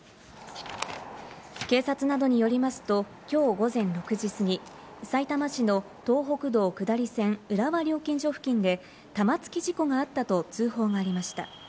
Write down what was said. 警察などによりますと、きょう午前６時過ぎ、さいたま市の東北道下り線、浦和料金所付近で、玉突き事故があったと通報がありました。